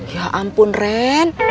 ya ampun ren